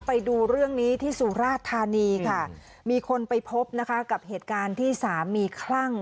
ไปดูเรื่องนี้ที่สุราธานีค่ะมีคนไปพบนะคะกับเหตุการณ์ที่สามีคลั่ง